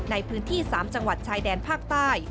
ในพื้นที่๓จังหวัดชายแดนภาคใต้